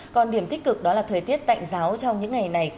còn điểm tích cực đó là thời tiết tạnh giáo trong những ngày này